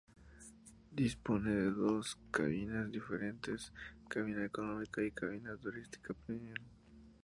Dispone de dos cabinas diferentes, cabina Económica y cabina Turista Premium.